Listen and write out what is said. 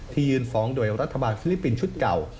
ยื่นฟ้องโดยรัฐบาลฟิลิปปินส์ชุดเก่า